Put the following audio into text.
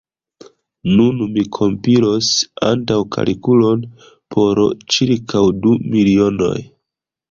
Nun mi kompilos antaŭkalkulon por ĉirkaŭ du milionoj.